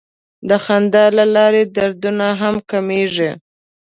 د خندا له لارې دردونه هم کمېږي.